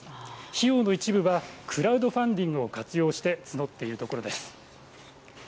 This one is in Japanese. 費用の一部は、クラウドファンディングを活用して募っているところです。